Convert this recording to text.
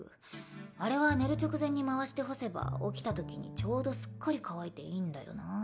あれは寝る直前に回して干せば起きたときにちょうどすっかり乾いていいんだよなぁ。